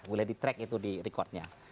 boleh di track itu di recordnya